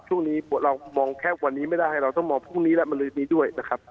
ช่วงนี้เรามองแทบวันนี้ไม่ได้เราต้องมองพรุ่งนี้และมาลื้อนี้ด้วยนะครับ